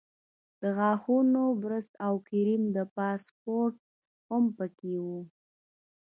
د غاښونو برس او کریم او پاسپورټ هم په کې وو.